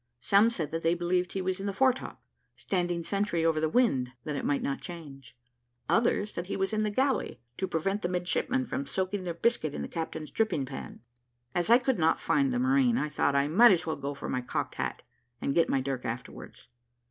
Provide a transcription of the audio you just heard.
Some said that they believed he was in the foretop, standing sentry over the wind, that it might not change; others, that he was in the galley, to prevent the midshipmen from soaking their biscuit in the captain's dripping pan. As I could not find the marine, I thought I might as well go for my cocked hat, and get my dirk afterwards.